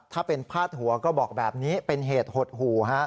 ถ้าเป็นพาดหัวก็บอกแบบนี้เป็นเหตุหดหู่